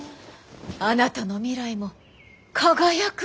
あなたの未来も輝くわよ。